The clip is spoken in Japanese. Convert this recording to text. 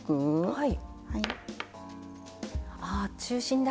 はい。